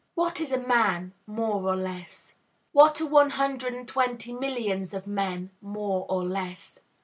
What is a man, more or less? What are one hundred and twenty millions of men, more or less?